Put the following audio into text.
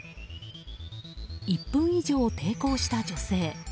１分以上、抵抗した女性。